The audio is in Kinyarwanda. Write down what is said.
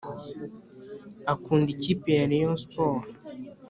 akunda ikipe ya rayon sport